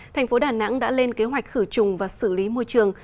thành phố đà nẵng đã lên kế hoạch khử trùng và xử lý môi trường